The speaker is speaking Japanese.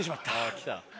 来た。